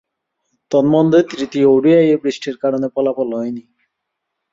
তন্মধ্যে তৃতীয় ওডিআইয়ে বৃষ্টির কারণে ফলাফল হয়নি।